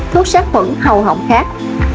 thuốc sát khuẩn hậu hộng khác